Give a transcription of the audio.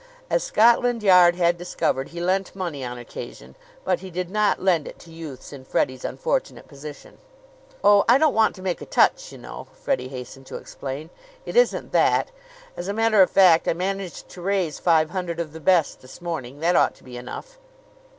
As Scotland Yard had discovered, he lent money on occasion; but he did not lend it to youths in Freddie's unfortunate position. "Oh, I don't want to make a touch, you know," Freddie hastened to explain. "It isn't that. As a matter of fact, I managed to raise five hundred of the best this morning. That ought to be enough."